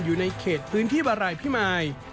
อยู่ในเขตพื้นที่วารายพิมาย